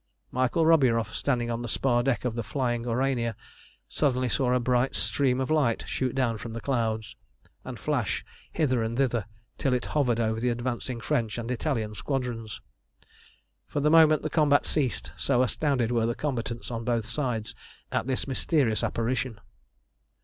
Michael Roburoff, standing on the spar deck of the flying Aurania, suddenly saw a bright stream of light shoot down from the clouds, and flash hither and thither, till it hovered over the advancing French and Italian squadron. For the moment the combat ceased, so astounded were the combatants on both sides at this mysterious apparition.